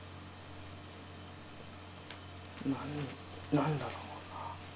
何だろうな。